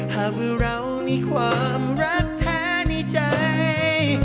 หากเรามีความรักแท้ในใจ